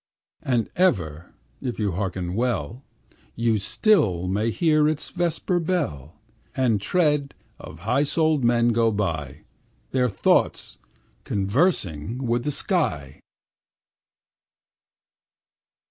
And ever, if you hearken well, You still may hear its vesper bell, And tread of high souled men go by, Their thoughts conversing with the sky.